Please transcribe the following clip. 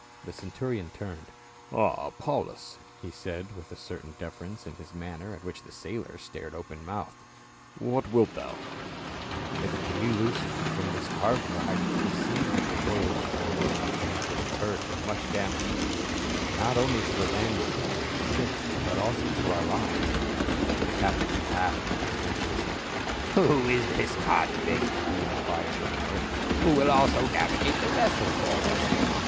The centurion turned, "Ah, Paulus," he said with a certain deference in his manner at which the sailor stared open mouthed ;" what wilt thou ?"" If we loose from this harbor, I perceive that the * The North West winds. 428 PA UL. voyage will be with hurt and much damage, not only to the lading and ship, but also to our lives." The captain laughed contemptuously. "Who is this convict," he enquired with an oath, "who will also navigate the vessel for us